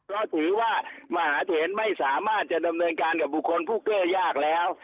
เพราะถือว่ามหาเถนไม่สามารถจะดำเนินการกับบุคคลผู้เกื้อยากแล้ว